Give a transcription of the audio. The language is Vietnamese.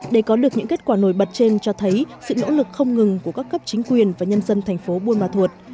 để có được những kết quả nổi bật trên cho thấy sự nỗ lực không ngừng của các cấp chính quyền và nhân dân thành phố buôn ma thuột